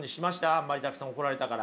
あんまりたくさん怒られたから。